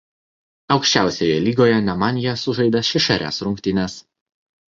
Aukščiausioje lygoje Nemanja sužaidė šešerias rungtynes.